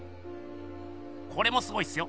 これもすごいっすよ！